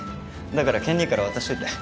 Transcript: だから健兄から渡しておいて。